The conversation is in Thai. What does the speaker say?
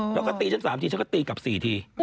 แล้วก็ตีฉัน๓ทีฉันก็ตีกลับ๔ที